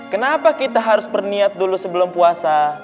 kenapa kita harus berniat dulu sebelum puasa